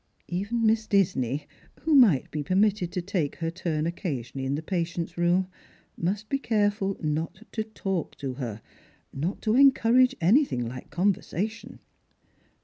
Even_ Miss Disney, who might be permitted to take her turn occasionally in the patient's room, must he careful not to talk to her — not to encourage anything like conversation.